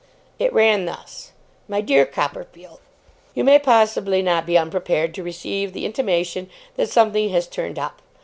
It ran thus: 'MY DEAR COPPERFIELD, 'You may possibly not be unprepared to receive the intimation that something has turned up.